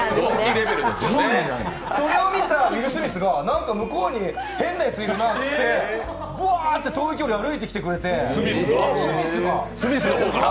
それを見たウィル・スミスが、なんか向こうに変なやついるなってぶわーって遠い距離を歩いてきてくれてスミスの方から。